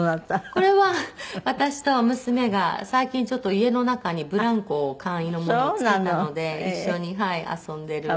これは私と娘が最近家の中にブランコを簡易のものを付けたので一緒に遊んでる。